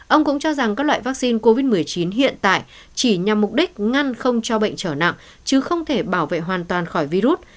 ông cũng cho rằng các loại vaccine covid một mươi chín hiện tại chỉ nhằm mục đích ngăn không cho bệnh trở nặng chứ không thể bảo vệ hoàn toàn khỏi virus